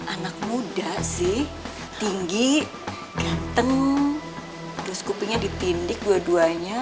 anak muda sih tinggi ganteng terus kupinya ditindik dua duanya